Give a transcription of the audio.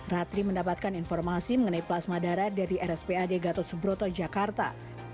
ratri mendapatkan informasi mengenai plasma darah dari rspad gatot subroto jakarta